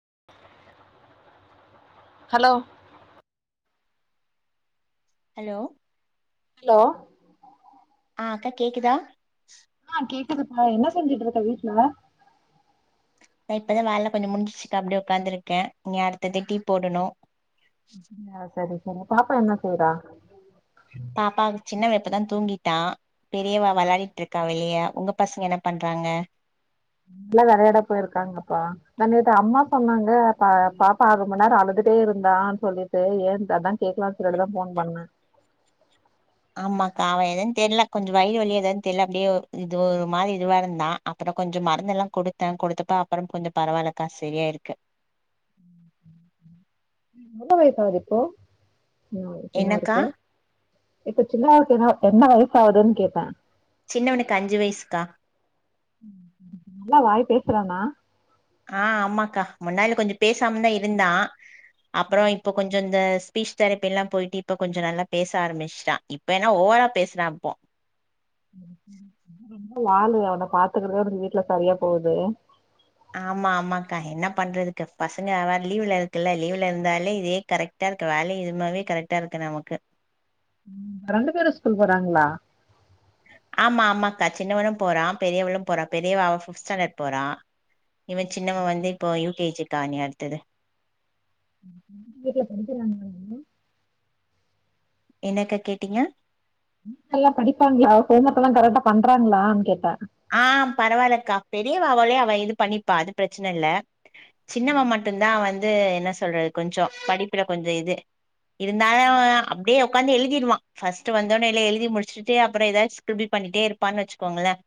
[inaudible] Hello hello hello ஆ அக்கா கேக்குதா ஆ கேக்குதுப்பா என்ன செஞ்சிட்டு இருக்க வீட்ல நா இப்பதா வேவ கொஞ்சோ முடிஞ்ச்க்கா அப்படியே உக்காந்துருக்கே நீங்க அடுத்தது டீ போடணு ஆ சரி சரி பாப்பா என்ன [unintelligible] பாப்பாவு சின்னவே இப்பதான்தா தூங்கிட்டா பெரியவே விளாடிட்டு இருக்கா வெளிய உங்க பசங்க என்ன பண்றாங்க நல்ல விளையாட போயிருக்காங்கபா நா நேத்து அம்மா சொன்னாங்க பா பாப்பா ஆரு மண் நேரம் அழுதுட்டே இருந்தான் சொல்லிட்டு ஏன் அதான் கேக்கலாம்னு சொல்லிட்டுதா போன் பண்ணே ஆமாக்கா அவ ஏதது தெரில கொஞ்ச வயிறு வலி எதாது தெரில அப்படியே இது ஒரு மாரி இதுவா இருந்தா அப்புற கொஞ்ச மருந்தெல்லா குடுத்த குடுத்தப்ப அப்புற கொஞ்ச பரவால்லக்கா செரியா இருக்கு என்ன வயசாவது இப்போ [unintelligible] என்னக்கா சின்னவருக்கு இப்ப சின்னாவுக்கு என்ன என்ன வயசு ஆகுதுன் கேட்ட சின்னவனுக்கு அஞ்சு வயசுக்கா நல்லா வாய்ப்பே கிறானா ஆ ஆமாக்கா முன்னாடில கொஞ்ச பேசாம தா இருந்தா அப்புற இப்ப கொஞ்சோ இந்த ஸ்பீச் தெரப்பி எல்லா போயிட்டு இப்ப கொஞ்ச நல்லா பேச ஆரம்பிச்சட்டா இப்ப என்னா ஓவரா பேச்றாப்போ நல்லா வாலு அவன பாத்துக்கறதே உனக் வீட்டுல சரியா போகுது ஆமா ஆமாக்கா என்ன பண்றதுக்கு பசங்க அவா லீவுல இருக்குல்ல லீவ்ல இருந்தாலே இதே கரெக்ட்டா இருக்கு வேல இதுமாவே கரெக்ட்டா இருக்கு நமக்கு ரெண்டு பேரு ஸ்கூல் போறாங்களா ஆமா ஆமாக்கா சின்னவனு போறா பெரியவளு போறா பெரியவ அவெ ஃபிப்த் ஸ்டாண்டர்ட் போறா இவ சின்னவ வந்து இப்போ யூ கே ஜி காணியாடுத்தது வீட்டுல படிக்கிறாங்கள வந்து என்னக்க கேட்டீங்க நல்ல படிப்பாங்களா ஹோம் ஒர்க் எல்லா கரெட்டா பண்றாங்களா கேட்ட ஆ பரவாயில்லக்கா பெரியவ அவளே அவெ இது பண்ணிப்பா அது பிரச்சன இல்ல சின்னவ மட்டு தா வந்த் இது என்ன சொல்றது கொஞ்சோ படிப்புல கொஞ்சோ இது இருந்தாலு அவ அப்படியே உட்காந்து எழுதிடுவான் ஃபஸ்டு வந்தடனேல்ல எழுதி முடிச்சட்டுப்புறம்தாவது [unintelligible] பண்ணிட்டேப்பான்னு வச்சுோங்களன்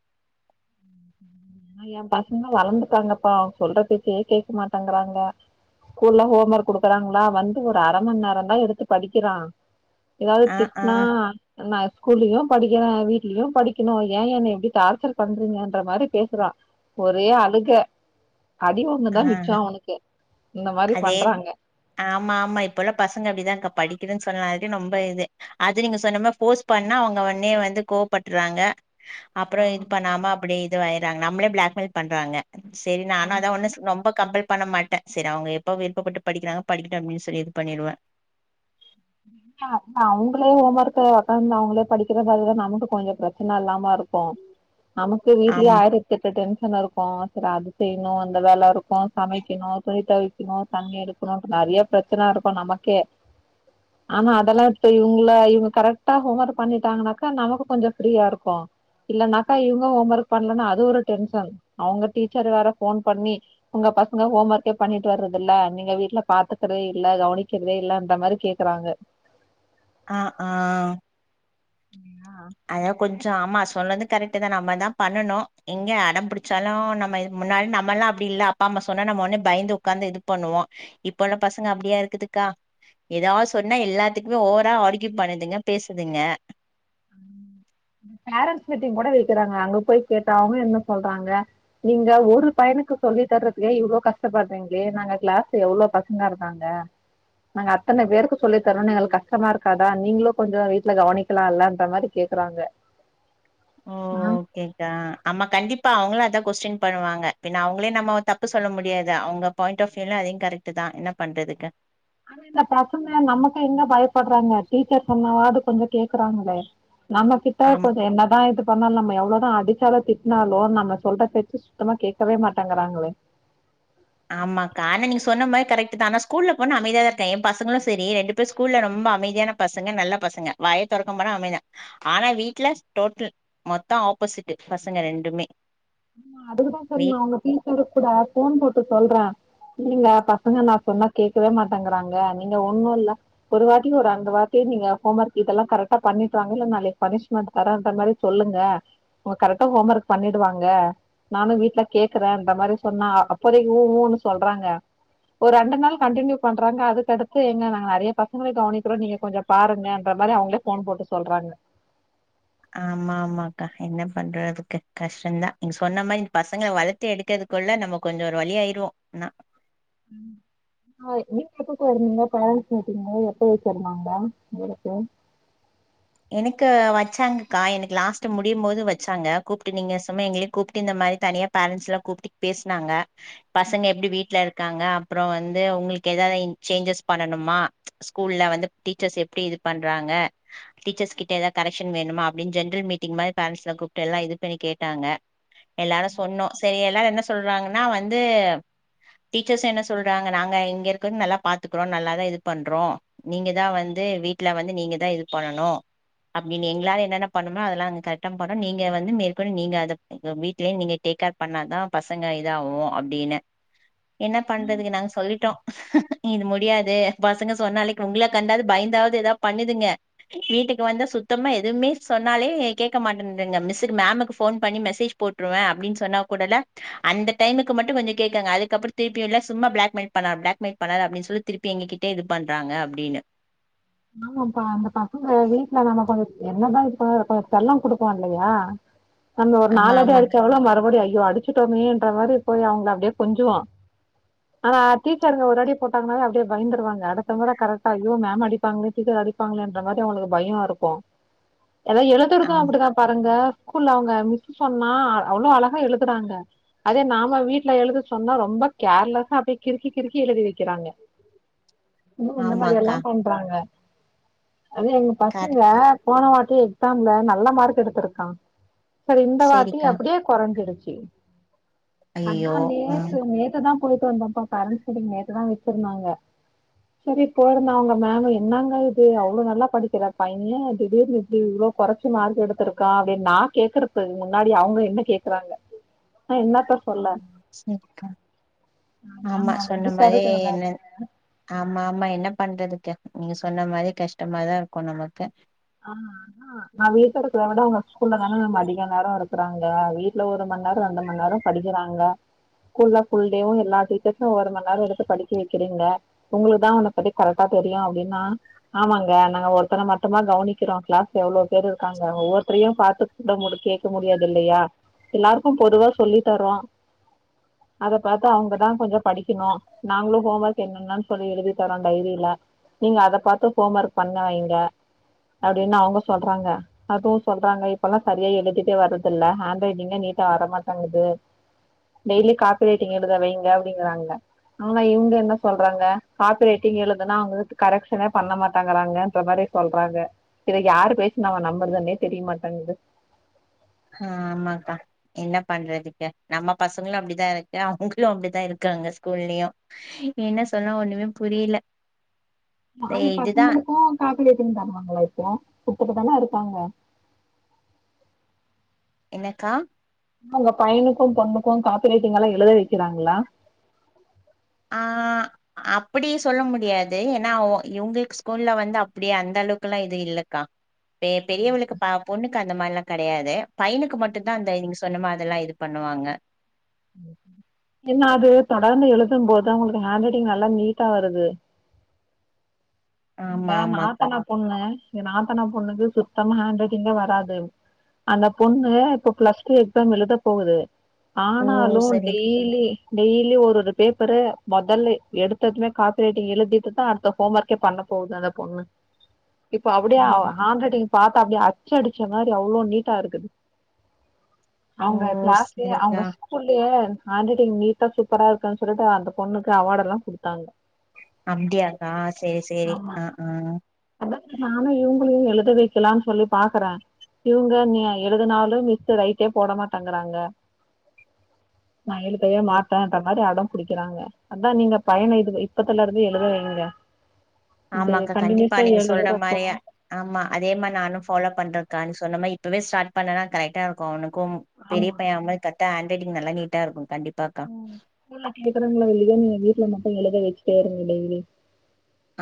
ம் ஆ என் பசங்க வளர்ந்துதூட்ங்காங்கப்பா சொல்ற பேச்சியே கேட்க மாட்டேங்கறாங்க ஸ்கூல்ல ஹோம் ஒர்க் கொடுக்குறாங்களா வந்து ஒரு அரைமணி நேரம தான் எடுத்து படிக்கிறா ஏதாவது ஆ ஆ திட்னா நா ஸ்கூலுக் படிக்கேன் வீட்லயும் படிக்கணும் ஏன் என்ன எப்படி டார்ச்சர் பண்றீங்கன்ற மாரி பே றான் ஒரே அழுக அடி வாங்குனது ஆ தான் மிச்சம் அவனுக்கு இந்த மாரி அதே பண்றாங்க ஆமா ஆமா இப்பல்லாம் பசங்க அப்படிதாகா படி க்துன்னு சொன்னாடி ரொம்ப இது அது நீங்க சொன்னம போஸ் பண்ணா அவங்க உடனே வந்து கோப்பட்றாங்க அப்புறம் ஆமா இது பண்ணாம அப்படியே [unintelligible] றாங்க நமளே பிளாக்மெயில் பண்றாங்க சரி நானும் ஆமா அதான் ஒண்ணு சொல் ரொம்ப கம்பல் பண்ண மாட்டேன் சரி அவங்க எப் எப்ப விருப்பப்பட்டு படிக்கிறாங்க படிக்கட்டும் அப்படின்னு சொல்லி இது பண்ணிடுவேன் இல இல்ல அவங்களே ஹோம் ஒர்க்க உடக்கந்து அவங்களே படிக்கிற மாரிதான் நமக்கு கொஞ்சம் பிரச்சன இல்லாம இருக்கும் நமக்கு வீட்லயே ஆம் ஆயிரத்தேட்டு டென்ஷன் இருக்கும் [unintelligible] அது செய்ணு அந்த வேல இருக் [unintelligible] சமைக்கணு துணி தொவைக் க்கணு தண்ணி எடுக்கணு நறைய பிரச்சன இருக்கு நமக்கே ஆனா அதெல்லா இப்ப இவங்கலா இவங்க கரெக்ட்டா ஹோம் ஒர்க் பண்ணிட்டாங்கனாக்கா நமக்கு கொஞ்சோ ஃப்ரீயாருக்கு இல்லனாக்கா இவங்க ஹோம் ஒர்க் பண்ணலனா அது ஒரு டென்ஷன் அவுங்க டீச்சரு வேற ஃபோன் பண்ணி உங்க பசங்க ஹோம் ஒர்க்கே பண்ணிட்டு வரதில்ல நீங்க வீட்ல பாத்துக்கற்தே இல்ல கவனிக்கற்தே இல்ல அந்த மாரி கே க்கறாங்க அ ஆ ஆ ஐயோ கொஞ்சோ ஆமா சொன்னது கரக்ட்டு தா நம்ம தா பண்ணணு எங்க அடம் புடிச்சாலு நம்ம முன்னாடி நம்மல்லா அப்டி இல்ல அப்பா அம்மா சொன்னா நம்ம ஒட்னே பயந்து உக்காந்து இது பண்ணுவோ இப்ப உள்ள பசங்க அப்டியா இருக்குதுக்கா எதா சொன்னா எல்லாத்துக்குமே ஓவரா ஆர்கியு பண்ணுதுங்க பேசுதுங்க பேரன்ஸ் மீட்டிங் கூட வெக்கறாங்க அங்க போய் கேட்டா அவுங்க என்ன சொல்றாங்க நீங்க ஒரு பையனுக்கு சொல்லி தர்றதுக்கே இவ்ளோ கஷ்டப்படறீங்களே நாங்க கிளாஸ்ல எவ்ளோ பசங்க இருந்தாங்க நாங்க அத்தன பேருக்கு சொல்லி தரோன்னு எங்ளுக்கு கஷ்டமா இருக்காதா நீங்களு கொஞ்சோ வீட்ல கவனிக்கலா இல்ல [unintelligible] மாரி கேக்கறாங்க ஓ ஓகேக்கா ஆமா கண்டிப் ப்ப அவுங்களு அதா கொஸ்டின் பண்ணுவாங்க பின்ன அவுங்களயு நம்ம தப்பு சொல்ல முடியாது அவுங்க பாயிண்ட் ஆஃப் வியூல அதயு கரெக்ட்டு தா என்ன பண்றதுங்க ஆனா இந்த பசங்க நமக்கு எங்க பயப்படுறாங்க டீச்சர் சொன்னாவாது கொஞ்சோ கேக்கறாங்களே நம்ம கிட்ட ஆமா கொஞ்சோ என்ன தா இது சொன்னாலு நம்ம எவ்ளோ தா அடிச்சாலு திட்னாலு நம்ம சொல்ற பேச்சு சுத்தமா கேக்கவே மாட்டங்கிறாங்களே ஆமாக்கா ஆனா நீங்க சொன்ன மாரி கரெக்ட்டு தா ஆனா ஸ்கூல்ல போனா அமைதியா தா இருக்கா எம்பசங்களு செரி ரெண்டு பேரு ஸ்கூல்ல ரொம்ப அமைதியான பசங்க நல்ல பசங்க வாயே தொறக்க மாட்டா அமைதா ஆனா வீட்ல டோட்டல் மொத்தோ ஆப்போசிட்டு பசங்க ரெண்டுமே நா அதுக்கு தா சொன்ன வீட் அவுங்க டீச்சருக் கூட ஃபோன் போட் சொல்றே இல்ல பசங்க நா சொன்னா கேக்கவே மாட்டேங்கறாங்க நீங்க ஒன்னு இல்ல ஒரு வாட்டி ஒரு ரெண்டு வாட்டி நீங்க ஹோம் ஒர்க் இதெல்லா கரெக்டா பண்ணிட்டுவாங்க இல்ல நாளைக்கு பனிஷ்மெண்ட் தரன்ற மாரி சொல்லுங்க உங்க கரெக்டா ஹோம் ஒர்க் பண்ணிடுவாங்க நானும் வீட்ல கேக்குறேன்ற மாரி சொன்னா அப்போதே ஊஊன்னு சொல்றாங்க ஒரு ரெண்டு நாள் கண்டினியூ பண்றாங்க அதுக்கடுத்து எங்க நாங்க நெறைய பசங்களை கவனிக்கிறோ நீங்க கொஞ்ச பாருங்கன்ற மாரி அவங்களே போன் போட்டு சொல்றாங்க ஆமா ஆமா அக்கா என்ன பண்றதுக்கு கஷ்டம்தா நீங்க சொன்ன மாரி இந்த பசங்க வளத்து எடுக்கிறதுக்குள்ள நம்ம கொஞ்சோ ஒரு வழி ஆயிருவோம் ஆனா ஆ நீங்க எப்ப போரிங்க பேரண்ஸ் மீட்டிங்கு எப்போ வச்சிருந்தாங்கா இவளுக்கு எனக்கு வச்சாங்கக்கா எனக்கு லாஸ்ட் முடியும் போது வச்சாங்க கூப்ட்டு நீங்க சும்மா எங்களயு கூப்டு இந்த மாரி தனியா பேரன்ஸ்லா கூப்டு பேசுனாங்க பசங்க எப்டி வீட்ல இருக்காங்க அப்றோ வந்து உங்களுக்கு எதாவது சேஞ்சஸ் பண்ணணுமா ஸ்கூல்ல வந்து டீச்சர்ஸ் எப்டி இது பண்றாங்க டீச்சர்ஸ் கிட்ட எதா கரெக்ஷன் வேணுமா அப்டின் ஜென்ரல் மீட்டிங் மாரி பேரன்ஸ்லா கூப்ட்டு எல்லா இது பண்ணி கேட்டாங்க எல்லாரு சொன்னோ சரி எல்லாரு என்ன சொல்றாங்கன்னா வந்து டீச்சர்ஸ் என்ன சொல்றாங்க நாங்க இங்கே இருக்கந்து நல்லா பாத்துக்குறோ நல்லாதா இது பண்றோம் நீங்கதா வந்து வீட்ல வந்து நீங்கதா இது பண்ணணு அப்டின்னு எங்களால என்னென்ன பண்ணணுமோ அதெல்லா கரெக்ட பண்றோம் நீங்க வந்து மேற்கொண்டு நீங்க அத வீட்லே நீங்க டேக்கர் பண்ணாதா பசங்க இதாவு அப்டின்னு என்ன ஆ பண்றதுக்கு நாங்க சொல்லிட்டோ இது முடியாது பசங்க சொன்னளைக்கு உங்க கண்டாவது பயந்தாவது ஏதாவது பண்ணுதுங்க வீட்டுக்கு வந்த சுத்தமா எதுமே சொன்னாலே கேக்க மாட்டேன்துங்க மிஸ்க்கு மேமுக்கு ஃபோன் பண்ணி மெசேஜ் போட்ருவே அப்டின்னு சொன்னா கூடல்ல அந்த டைமுக்கு மட்டு கொஞ்ச கேக்குங்க அதுக்கப்புற திருப்பி இல்ல சும்மா ப்ளாக்மெயில் பன்னா ப்ளாக்மெயில் பன்னாத அப்டின்னு சொல்லி திருப்பி எங்க கிட்டே இது பண்றாங்க அப்டினு ஆமாப்பா அந்த பசங்க வீட்ல நம்ம கொஞ்ச என்னதா இப்ப கொஞ்ச செல்ல கொடுப்போ இல்லையா அந்த ஒரு ஆமா நாளடி ஆமாக் அடிச்சா கூட மறுபடியு ஐயோ அடிச்சுட்டோமேன்ற மாரி போய் அவுங்கல அப்டியே கொஞ்சுவா ஆனா டீச்சர்ங்க ஒரு அடி போட்டாங்கன்னனாலே அப்டியே பயந்துடுவாங்க அடுத்தமுற கரெக்டா ஐயோ மேம் அடி பண்ணிட்டு டீச்சர் அடிப்பாங்களேன்ற மாரி அவங்களுக்கு பயம் இருக்கும் ஏதாவது எழுத்துறது ஆம் அப்டிதா பாருங்க ஸ்கூல்ல அவங்க மிஸ் சொன்னா அவ்ளோ அழகா எழுதுறாங்க அதே நாம வீட்ல எழுத சொன்னா ரொம்ப கேர்லஸ்ஸா அப்டியே கிருக்கி கிருக்கி எழுதி வைக்கிறாங்க ம் இந்த மாரி எல்லா ஆமாக்கா பண் அ அது எங்க பசங்க கரெக்ட் போன வாட்டி எக்ஸாம்ல நல்ல மார்க் எடுத்திருக்கா சரி இந்த வாட்டி சேரிக்கா அப்டியே குறஞ்சிடுச்சு எ ஐயையோ அதா ஆ நேத்து, நேத்து தா போய் [unintelligible] மீட்டிங் நேத்து தா வச்சிருந்தாங்க. செரி போரந்த அவங் மேம் என்னாங்க இது? அவ்ளோ நல்லா படிக்கிற பையன் திடீர்னு இப்டி இவ்ளோ கொறைச்சு மார்க் எடுத்திருக்கான் அப்டினு நா கேக்கறதுக்கு முன்னாடி அவங்க என்னை கேக்குறாங்க. நா என்னத்த சொல்ல செரிக்கா. ஆமா மேம் அவங்க சொன்ன வீட்ல மாரி இருக்கிறத என்ன ஆமா ஆமா என்ன பண்றதுக்கு. நீங்க சொன்ன மாரி கஷ்டமாதா இருக்கும் நமக்கு. ஆ ஆ நான் வீட்ல இருக்கிறத விட உங்க ஸ்கூல்ல தான அதிக நேரம் இருக்றாங்க. வீட்ல ஒரு மன் நேரம், ரெண்டு மன் நேரம் படிக்கிறாங்க. ஸ்கூல்ல ஃபுல் டேவும் எல்லா டீச்சர்ஸும் ஒரு மன் நேரம் எடுத்து படிக்க வக்கிறீங்க. ஒங்களுக்கு தா அவன பத்தி கரெக்டா தெரியும் அப்டின்னா, ஆமாங்க நாங்க ஒருத்தர மட்டும்மா கவனி க்கிறோம். கிளாஸ்ல எவ்ளோ பேரு இருக்காங்க? ஒவ்வொருத்தரையும் பாத்து கூட கேக்க முடியாது இல்லையா? எல்லாருக்கும் பொதுவா சொல்லி தரோம். அத பாத்து அவங்கதா கொஞ்சம் படிக்கணும். நாங்களும் ஹோம் ஒர்க் என்னன்ன சொல்லி எழுதி தரோம் டைரில. நீங்க அத பாத்து ஹோம் ஒர்க் பண்ண வைங்க. அப்டின்னு அவங்க சொல்றாங்க. அதுவும் சொல்றாங்க இப்பல்லாம் சரியா எழுதிட்டே வரதில்ல. ஹேண்ட் ரைட்டிங்கே நீட்டா வரமாட்டங்குது. டெய்லி காப்பி ரைட்டிங் எழுத வைங்க அப்டிங்றாங்க. ஆனா இவங்க என்ன சொல்றாங்க காப்பி ரைட்டிங் எழுதுனா அவங்க கரக்ஷானே பண்ண மாட்டேங்கறாங்க அப்டி மாரி சொல்றாங்க. இதுக்கு யாரு பேச்சு நாம நம்பறதன்னே தெரியமாட்டேங்குது. ஆ ஆமாக்கா. என்ன பண்றதுக்கு? நம்ம பசங்களும் அப்டிதான் இருக்கு, அவங்களும் அப்டிதா இருக்காங்க ஸ்கூல்லயும். என்ன சொல்ல ஒண்ணுமே புரீல. நாம் பசங்களுக்கும் காப்பி ரெய்ட்டிங் பண்ணுவாங்களா இப்போ. திருத் தான இருக்காங்க? என்னக்கா? உங்க பையனுக்கும், பொண்ணுக்கும் காப்பி ரைட்டிங் எல்லாம் எழுத வக்கிறாங்ளா? ஆ அப்டி சொல்ல முடியாது. ஏன்னா அவ இவங்களுக்கு ஸ்கூல்ல வந்து அப்டி அந்த அளவுக்கு எல்லாம் இது இல்லக்கா. பெ பெரியவளுக்கு ப பொண்ணுக்கு அந்த மாதிரி எல்லாம் கெடையாது. பையனுக்கு மட்டுந்தா இந்த நீங்க சொன்ன மாதிரில்லாம் இது பண்ணுவாங்க. என்னா அது தொடர்ந்து எழுதும் போதும் அவங்களுக்கு ஹேண்ட் ரைட்டிங் நல்லா, நீட்டா வருது. இங்க ஆமா ஆமாக்கா நாத்தனா பொண்ணு ஏ நாத் நாத்தனா பொண்ணுக்கு சுத்தம்மா ஹேண்ட் ரைட்டிங்கே வராது. அந்த பொண்ணு இப்ப பிளஸ் டூ எக்ஸாம் எழுதப் போகுது. ஓ ஆனாலும் சரி டெய்லி டெய்லி ஒரு ஒரு பேப்பர மொதல்ல எடுத்ததுமே காபி ரைட்டிங் எழுதிட்டு தா, அடுத்த ஹோம் ஒர்க்கே பண்ணப் போ போகுது அந்த பொண்ணு இப்போ அப்டியே அவ ம் ஹாண்ட் ரைட்டிங் பாத்தா அப்டியே அச்சு அடிச்ச மாரி அவ்ளோ நீட்டா இருக்குது. ஓ அவங்க கிளாஸ்லயே, அவங்க சரிக்கா ஸ்கூல்லயே ஹாண்ட் ரைட்டிங் நீட்டா, சூப்பரா இருக்குன் சொல்லிட்டு அந்த பொண்ணுக்கு அவார்ட் எல்லா குடுத்தாங்க. செரி ஆமா ஆஹ், ஆஹ் அதா நானு இவங்களையு எழுத வெக்கலான் சொல்லி பாக்கறே. இவங்க நெ எழுதுனாலு மிஸ்ஸு ரைட்டே போட மாட்டேங்கறாங்க. நா எழுதவே மாட்டேன்ற மாரி அடம் பிடிக்கிறாங்க. அதா நீங்க பையன இதுல இப்பத்துல இருந்தே எழுத வைங்க. அது கன்டினியூ கா நீங்க சொல்ற மாரியே, ஆமா அதே மாரி நானு ஃபாலோ பண்ற கா நீ சொன்ன மாரி இப்பவே ஸ்டார்ட் பண்ணன்னா கரெட்டா இருக்கு அவனுக் கும். பெரிய ஆமா பைய [unintelligible] கத் ட்டா ஹாண்ட் ரைட்டிங் நல்லா நீட்டா இருக்கு, கண்டிப்பா உம் ஸ்கூல்ல கேக்கறாங்ளோ, இல்லையோ நீங்க வீட்ல எழுத வெச்சுட்டேருங்க டெய்லி.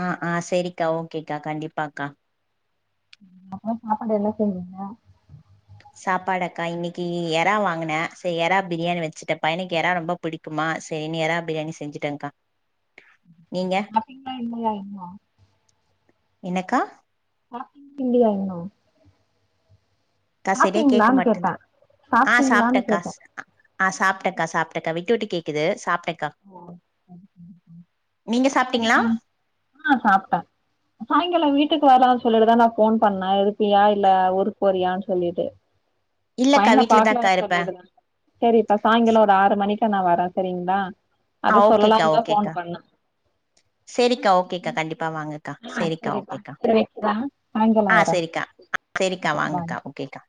ஆஹ் ஆஹ் செரிக்கா. ஓகேக்கா, கண்டிப்பாக்கா. ம், அப்றோ சாப்பாடு என்ன செஞ்சிங்க சாப்பாடாக்கா இன்னிக்கி எறா வாங்குனே சேரி எறா பிரியாணி வெச்சிட்ட பையனுக்கு எறா ரொம்ப பிடிக்குமா சேரினு எறா பிரியாணி செஞ்சுட்டேக்கா சாப்டீங்களா இல்லையா இன்னு என்னக்கா சாப்டீங் [inaudible] இல்லயா இன்னு [inaudible] கா செரியா கேட்க சாப்டீங்களான்னு மாட்டுன்து கேட்டே ஆ சாப்டீங்களான்னு சாப்ட்டக்கா கேட்டே ஸ் ஆ சாப்ட்டக்கா சாப்ட்டக்கா விட்டு விட்டு கேக்குது சாப் ஓ நீங்க [inaudible] சாப்ட்டீங்களா செரிப்பா ஆ சாப்ட்ட சாய்ங்காலோ வீட் வீட்டுக்கு வரலான் சொல்லிட்டுதா நா ஃபோன் பண்ணே இருப்பியா இல்ல ஊருக்கு போறியான் சொல்லிட்டு இல்லக்கா பையன வீட்லதாக்கா பாக்கலானு இருப்பே சொல்லிட்டு தா சேரி இப்ப சாய்ங்காலோ ஒரு ஆறு மணிக் ட்டா நா வர சரிங்களா ஆ அத ஓகேக்கா சொல்லலான்னுதா ஃபோன் ஓகேக்கா பண்ணே சேரிக்கா ஓகேக்கா கண்டிப்பா வாங்கக்கா ஆ சேரிக்கா சரிப்பா ஓகேக்கா சரி வைக்கிறே சாயங்காலோ ஆ வரே சேரிக்கா சேரிக்கா பாய் வாங்கக்கா ஓகேக்கா